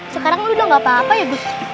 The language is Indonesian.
sekarang udah gak apa apa ya gus